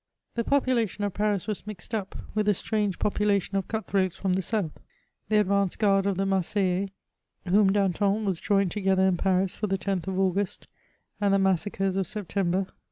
The population of Paris was mixed up with a strange popu lation of cut throats from the south : the advanced g^uard of the Marseillaos, whom Danton was drawing together in Paris for the 10th of August, and the massacres of September.